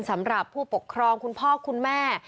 สำหรับผู้ปกครองคุณพ่อคุณแม่